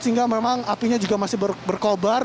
sehingga memang apinya juga masih berkobar